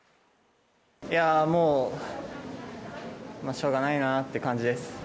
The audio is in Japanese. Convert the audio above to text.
いやー、もう、しょうがないなって感じです。